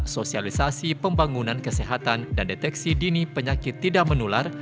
sosialisasi pembangunan kesehatan dan deteksi dini penyakit tidak menular